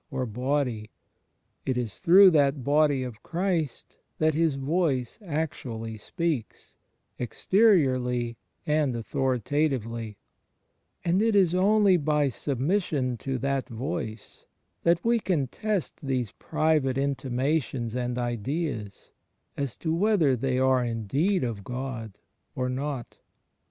6o THE FRIENDSHIP GF CHRIST or Body; it is through that Body of Christ that His Voice actually speaks, exteriorly and authoritatively; and it is only by submission to that Voice that we can test these private intimations and ideas, as to whether they are indeed of God or not.